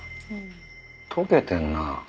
溶けてるな。